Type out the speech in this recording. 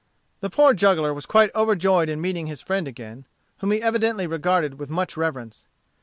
The poor juggler was quite overjoyed in meeting his friend again, whom he evidently regarded with much reverence.